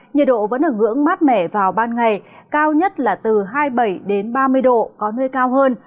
nhiệt độ vẫn ở ngưỡng mát mẻ vào ban ngày cao nhất là từ hai mươi bảy ba mươi độ có nơi cao hơn